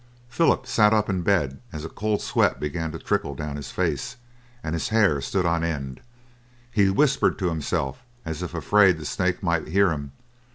Philip sat up in bed, and a cold sweat began to trickle down his face, and his hair stood on end. He whispered to himself as if afraid the snake might hear him.